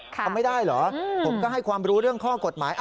ทำไม่ได้เหรอผมก็ให้ความรู้เรื่องข้อกฎหมาย